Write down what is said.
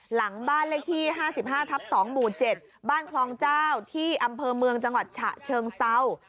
หลังบ้านเลขที่ห้าสิบห้าทับสองหมูเจ็ดบ้านคลองเจ้าที่อำเภอเมืองจังหวัดฉะเชิงเซา